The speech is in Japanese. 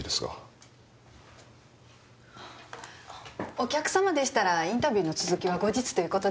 お客様でしたらインタビューの続きは後日という事で。